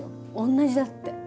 同じだって。